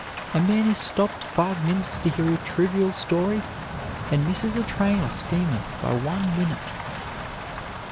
A man is stopped five minutes to hear a trivial story and misses a train or steamer by one minute.